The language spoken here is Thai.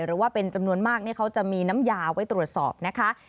หรือว่าเป็นจำนวนมากเขาจะมีน้ำยาไว้ตรวจสอบนะคะ